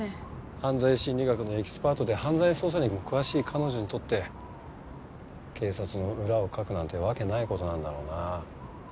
犯罪心理学のエキスパートで犯罪捜査にも詳しい彼女にとって警察の裏をかくなんてわけない事なんだろうな。